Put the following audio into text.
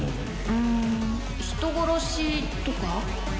うん人殺しとか？